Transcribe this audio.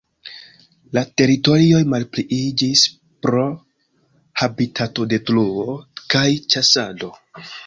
La teritorioj malpliiĝis pro habitatodetruo kaj ĉasado.